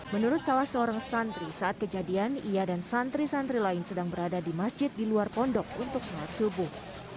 menurut salah seorang santri saat kejadian ia dan santri santri lain sedang berada di masjid di luar pondok untuk sholat subuh